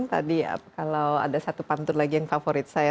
tadi kalau ada satu pantun lagi yang favorit saya